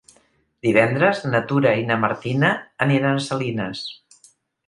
Divendres na Tura i na Martina aniran a Salines.